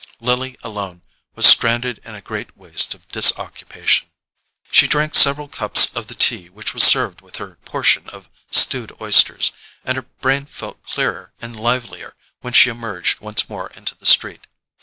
Lily alone was stranded in a great waste of disoccupation. She drank several cups of the tea which was served with her portion of stewed oysters, and her brain felt clearer and livelier when she emerged once more into the street.